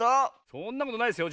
そんなことないですよ。